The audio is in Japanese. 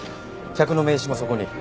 客の名刺もそこに。